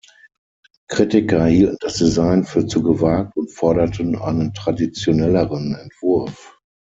Kritiker hielten das Design für zu gewagt und forderten einen traditionelleren Entwurf.